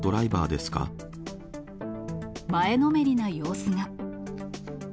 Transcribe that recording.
前のめりな様子が。